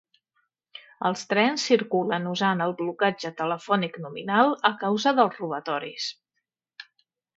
Els trens circulen usant el blocatge telefònic nominal a causa dels robatoris.